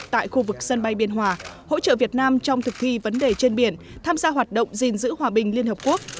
tại khu vực sân bay biên hòa hỗ trợ việt nam trong thực thi vấn đề trên biển tham gia hoạt động gìn giữ hòa bình liên hợp quốc